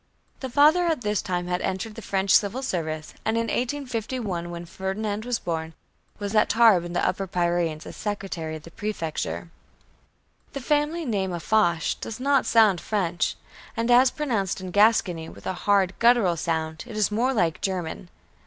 The father at this time had entered the French civil service, and in 1851, when Ferdinand was born, was at Tarbes in the Upper Pyrenees, as secretary of the prefecture. The family name of Foch does not sound French, and as pronounced in Gascony with a hard guttural sound it is more like German.